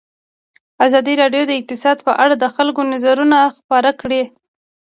ازادي راډیو د اقتصاد په اړه د خلکو نظرونه خپاره کړي.